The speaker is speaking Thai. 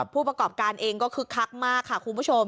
ผู้ประกอบการเองก็คึกคักมากค่ะคุณผู้ชม